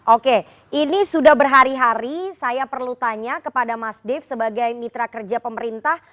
oke ini sudah berhari hari saya perlu tanya kepada mas dev sebagai mitra kerja pemerintah